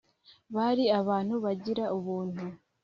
bari abantu bagira ubuntu